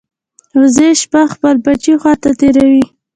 وزې شپه د خپل بچي خوا ته تېروي